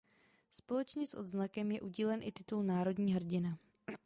Společně s odznakem je udílen i titul "Národní Hrdina".